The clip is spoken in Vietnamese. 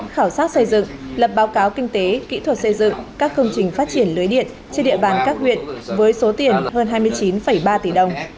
khảo sát xây dựng lập báo cáo kinh tế kỹ thuật xây dựng các công trình phát triển lưới điện trên địa bàn các huyện với số tiền hơn hai mươi chín ba tỷ đồng